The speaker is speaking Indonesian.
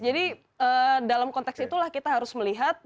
jadi dalam konteks itulah kita harus melihat